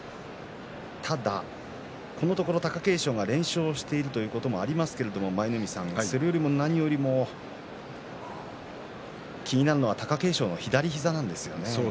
ただ、このところ貴景勝が連勝しているということもありますけれどもそれよりも何よりも気になるのは貴景勝の左膝なんですよね。